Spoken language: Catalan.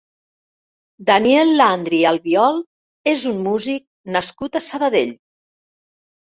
Daniel Landry i Albiol és un músic nascut a Sabadell.